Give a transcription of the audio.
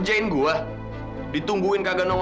jadi ketemu dia wangi